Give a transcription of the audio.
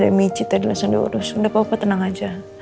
ada misi tadi langsung diurus udah papa tenang aja